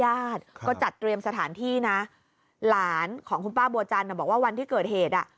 ญาติก็จัดเตรียมสถานที่นะหลานของคุณป้าบัวจันทร์บอกว่าวันที่เกิดเหตุอ่ะ